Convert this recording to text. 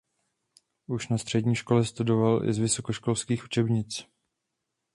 Už na střední škole studoval i z vysokoškolských učebnic.